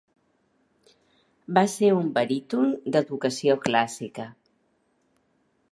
Va ser un baríton d'educació clàssica.